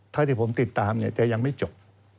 ที่ผมติดตามจะยังไม่จบ